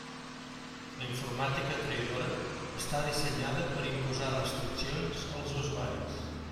La informàtica traïdora està dissenyada per imposar restriccions als usuaris.